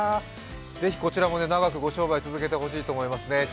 ぜひこちらも長くご商売続けてほしいと思いますね。